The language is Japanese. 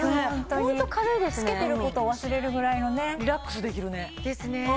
ホントにつけてることを忘れるぐらいのねリラックスできるねですね